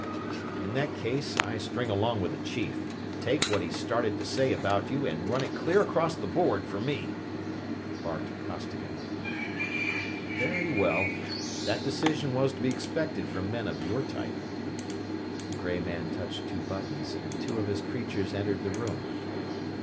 "In that case, I string along with the Chief take what he started to say about you and run it clear across the board for me!" barked Costigan. "Very well. That decision was to be expected from men of your type." The gray man touched two buttons and two of his creatures entered the room.